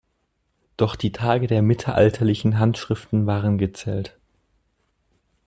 Doch die Tage der mittelalterlichen Handschriften waren gezählt.